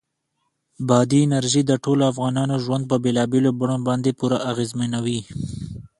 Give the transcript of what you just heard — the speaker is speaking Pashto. بادي انرژي د ټولو افغانانو ژوند په بېلابېلو بڼو باندې پوره اغېزمنوي.